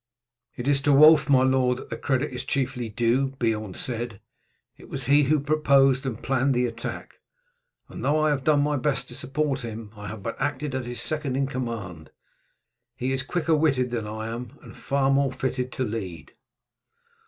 "It is to Wulf, my lord, that the credit is chiefly due," Beorn said. "It was he who proposed and planned the attack; and though I have done my best to support him, I have but acted as his second in command. He is quicker witted than I am, and far more fitted to lead."